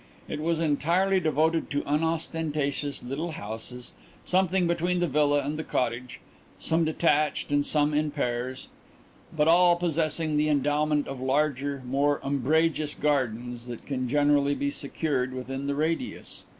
It was entirely devoted to unostentatious little houses, something between the villa and the cottage, some detached and some in pairs, but all possessing the endowment of larger, more umbrageous gardens than can generally be secured within the radius.